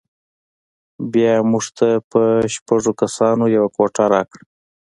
بیا یې موږ ته په شپږو کسانو یوه کوټه راکړه.